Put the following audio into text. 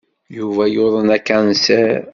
Yuba yuḍen akansir.